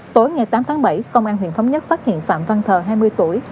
tối ngày tám tháng bảy công an huyện thống nhất phát hiện phạm văn thờ hai mươi tuổi